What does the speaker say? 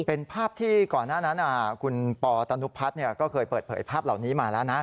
เป็นภาพที่ก่อนหน้านั้นคุณปอตนุพัฒน์ก็เคยเปิดเผยภาพเหล่านี้มาแล้วนะ